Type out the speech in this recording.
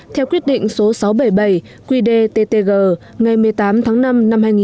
theo quyết định số sáu trăm bảy mươi bảy qd ttg ngày một mươi tám tháng năm năm hai nghìn một mươi bảy